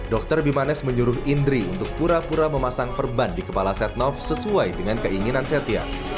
dr bimanes menyuruh indri untuk pura pura memasang perban di kepala setnov sesuai dengan keinginan setia